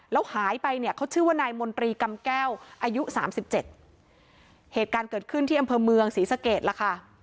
แล้วหายไปเนี่ยเขาชื่อว่านายมนตรีกำแก้วอายุสามสิบเจ็ดเหตุการณ์เกิดขึ้นที่อำเภอเมืองศรีสะเกดล่ะค่ะ